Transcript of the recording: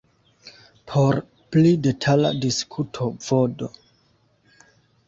Por pli detala diskuto vd.